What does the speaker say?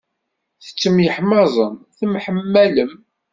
Tettemyeḥmaẓem temḥemmalem.